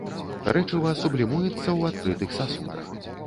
Рэчыва сублімуецца ў адкрытых сасудах.